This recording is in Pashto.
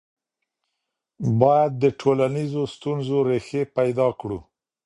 باید د ټولنیزو ستونزو ریښې پیدا کړو.